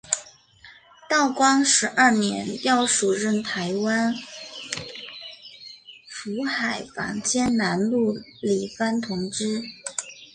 道光十二年调署任台湾府海防兼南路理番同知。